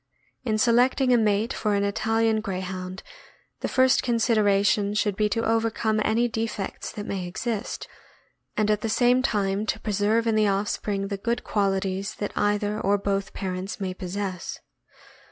In selecting a mate for an Italian Greyhound, the first consideration should be to overcome any defects that may exist, and at the same time to preserve in the offspring the good qualities that either or both parents may possess.